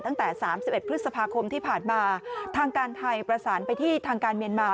ตั้งแต่๓๑พฤษภาคมที่ผ่านมาทางการไทยประสานไปที่ทางการเมียนมา